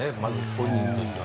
本人としては。